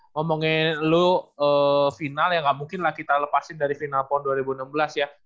ngomongin lu final ya nggak mungkin lah kita lepasin dari final pon dua ribu enam belas ya